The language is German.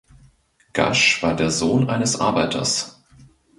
Gasch war der Sohn eines Arbeiters.